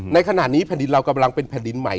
ในขณะนี้แผ่นดินเรากำลังเป็นแผ่นดินใหม่